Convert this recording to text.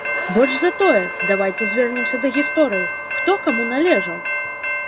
Больш за тое, давайце звернемся да гісторыі, хто каму належаў?